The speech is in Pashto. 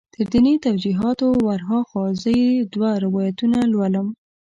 تر دیني توجیهاتو ور هاخوا زه یې دوه روایتونه لولم.